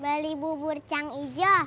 bang beli bubur cang ijo